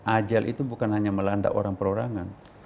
ajal itu bukan hanya melanda orang perorangan